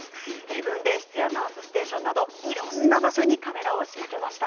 分べん室やナースステーションなどいろいろな場所にカメラを仕掛けました。